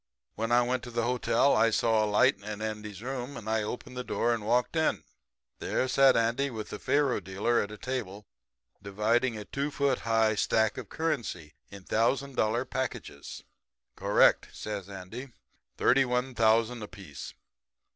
When I went to the hotel I saw a light in Andy's room, and I opened the door and walked in. "There sat Andy and the faro dealer at a table dividing a two foot high stack of currency in thousand dollar packages. "'Correct,' says Andy. 'Thirty one thousand apiece.